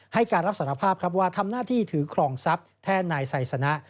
ให้การรับสารภาพครับว่าทำหน้าที่ถือครองทรัพย์แทนนายไซสนะ